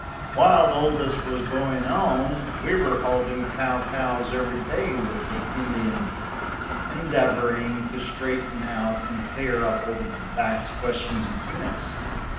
While all this was going on, we were holding pow pows every day with the Indians, endeavoring to straighten out and clear up all the vexed questions between us.